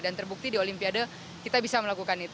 dan terbukti di olimpiade kita bisa melakukan itu